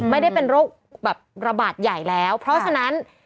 ไม่ได้เป็นโรคแบบระบาดใหญ่แล้วเพราะฉะนั้น